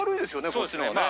こっちの方がね。